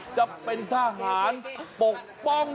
จะเป็นทหารปกป้อง